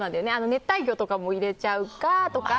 熱帯魚とかも入れちゃうかとか。